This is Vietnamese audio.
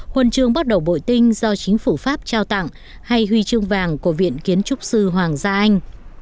huân chương bắt đầu bội tinh do chính phủ pháp trao tặng hay huy chương vàng của viện kiến trúc sư hoàng gia anh